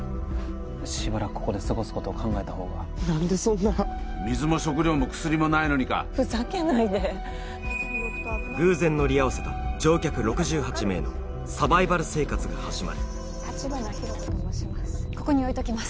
しばらくここで過ごすことを考えたほうがなんでそんな水も食料も薬もないのにかふざけないで偶然乗り合わせた乗客６８名のサバイバル生活が始まるここに置いときます